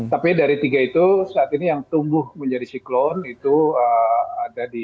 tapi dari tiga itu saat ini yang tumbuh menjadi siklon itu ada di